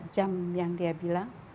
jam yang dia bilang